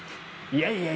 いやいや！